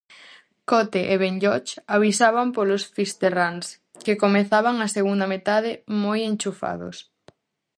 Cote e Benlloch avisaban polos fisterráns, que comezaban a segunda metade moi enchufados.